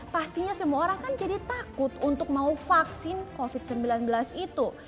pastinya semua orang kan jadi takut untuk mau vaksin covid sembilan belas itu